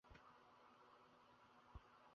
আমি বললুম, সে আমি পারব না।